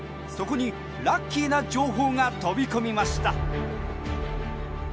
そこにラッキーな情報が飛び込みました。